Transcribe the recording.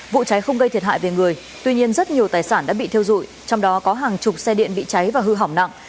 vụ cháy không gây thiệt hại về người tuy nhiên rất nhiều tài sản đã bị thiêu dụi trong đó có hàng chục xe điện bị cháy và hư hỏng nặng